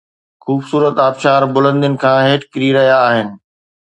خوبصورت آبشار بلندين کان هيٺ ڪري رهيا آهن